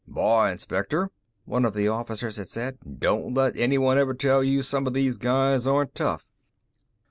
"Boy, Inspector," one of the officers had said, "don't let anyone ever tell you some of these guys aren't tough!"